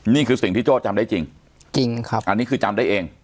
นี่คือสิ่งที่โจ้จำได้จริงจริงครับอันนี้คือจำได้เอง